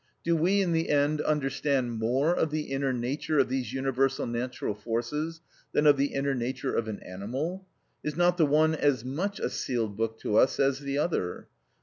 Do we in the end understand more of the inner nature of these universal natural forces than of the inner nature of an animal? Is not the one as much a sealed book to us as the other?